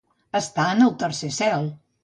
Estar en el tercer cel.